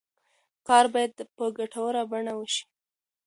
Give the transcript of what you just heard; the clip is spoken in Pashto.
کار باید په ګټوره بڼه وشي.